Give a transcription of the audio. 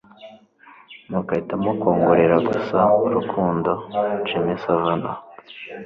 nuko ahitamo kwongorera gusa urukundo, jimi savannah